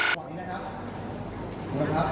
ขวานนี้นะครับดูนะครับดูนะครับ